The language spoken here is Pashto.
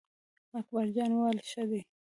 اکبر جان وویل: ښه دی.